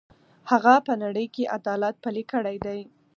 هغه په نړۍ کې عدالت پلی کړی دی.